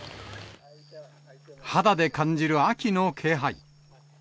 肌で感じる秋の気配。